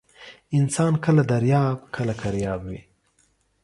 انسان کله درياب ، کله کرياب وى.